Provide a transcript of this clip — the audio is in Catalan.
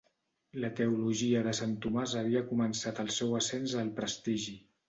La teologia de Sant Tomàs havia començat el seu ascens al prestigi.